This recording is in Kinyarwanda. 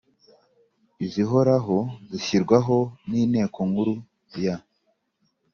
izihoraho zishyirwaho n Inteko Nkuru ya